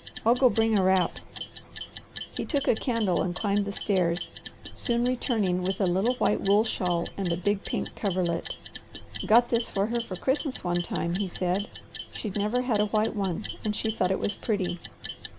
I'll go bring a wrap." He took the candle and climbed the stairs, soon returning with a little white wool shawl and a big pink coverlet. "Got this for her Christmas one time," he said. "She'd never had a white one and she thought it was pretty."